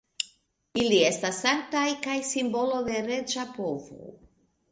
Ili estas sanktaj kaj simbolo de reĝa povo.